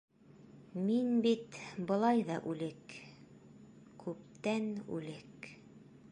Мин бит былай ҙа үлек... күптән үлек.